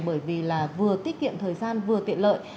bởi vì là vừa tiết kiệm thời gian vừa tiện lợi